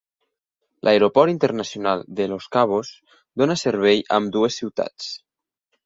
L'Aeroport Internacional de Los Cabos dona servei a ambdues ciutats.